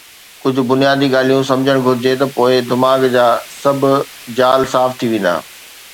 ڪجھه بنيادي ڳالھيون سمجھڻ گھرجي ته پوءِ دماغ جا سڀ جال صاف ٿي ويندا.